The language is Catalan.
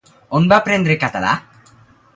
On va aprendre català?